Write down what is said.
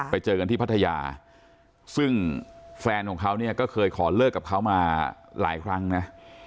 ไปเจอกันที่พัทยาซึ่งแฟนของเขาเนี่ยก็เคยขอเลิกกับเขามาหลายครั้งนะ